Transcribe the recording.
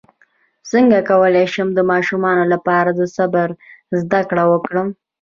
څنګه کولی شم د ماشومانو لپاره د صبر زدکړه ورکړم